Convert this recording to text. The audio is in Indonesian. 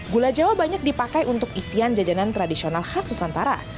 gula jawa banyak dipakai untuk isian jajanan tradisional khas nusantara